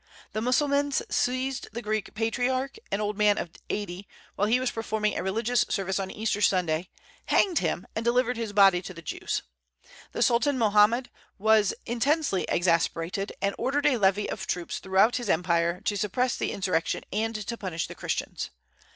The Mussulmans seized the Greek patriarch, an old man of eighty, while he was performing a religious service on Easter Sunday, hanged him, and delivered his body to the Jews. The Sultan Mahmoud was intensely exasperated, and ordered a levy of troops throughout his empire to suppress the insurrection and to punish the Christians.